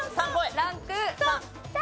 ランク１。